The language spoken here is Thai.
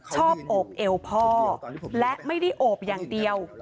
โอบเอวพ่อและไม่ได้โอบอย่างเดียว